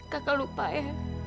kakak lupa ya